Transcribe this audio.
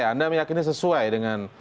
anda meyakini sesuai dengan